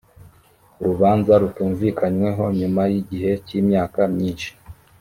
urubanzarutumvikanyweho nyuma y igihe cy imyaka myinshi